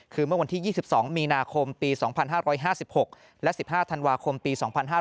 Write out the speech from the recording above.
คือเมื่อวันที่๒๒มีนาคมปี๒๕๕๖และ๑๕ธันวาคมปี๒๕๕๙